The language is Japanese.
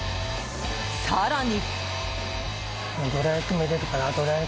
更に。